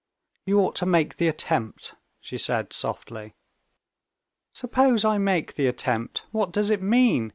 "You ought to make the attempt," she said softly. "Suppose I make the attempt. What does it mean?"